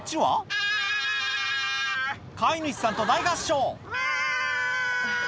ア飼い主さんと大合唱